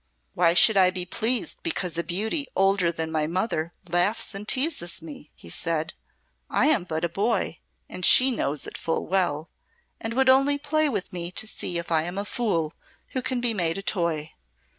"Why should I be pleased because a beauty older than my mother laughs and teases me," he said. "I am but a boy, and she knows it full well, and would only play with me to see if I am a fool who can be made a toy.